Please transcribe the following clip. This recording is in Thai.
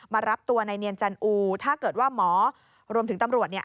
รับตัวในเนียนจันอูถ้าเกิดว่าหมอรวมถึงตำรวจเนี่ย